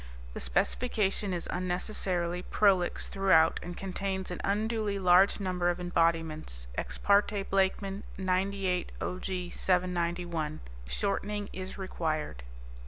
The specification is unnecessarily prolix throughout and contains an unduly large number of embodiments, Ex parte Blakemen, 98 OG 791. Shortening is required.